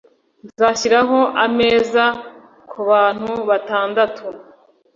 Nzashyiraho ameza kubantu batandatu